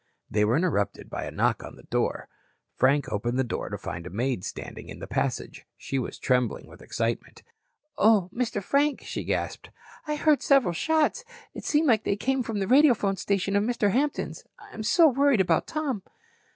They were interrupted by a knock on the door. Frank opened the door to find a maid standing in the passage. She was trembling with excitement. "Oh, Mister Frank," she gasped. "I heard several shots. Seemed like they came from the radiophone station of Mr. Hampton's. I'm so worried about Tom."